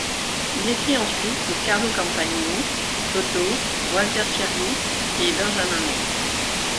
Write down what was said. Il écrit ensuite pour Carlo Campanini, Totò, Walter Chiari et Benjamin mai.